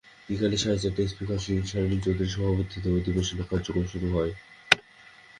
বিকেল সাড়ে চারটায় স্পিকার শিরীন শারমিন চৌধুরীর সভাপতিত্বে অধিবেশনের কার্যক্রম শুরু হয়।